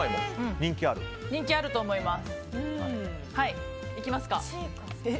人気あると思います。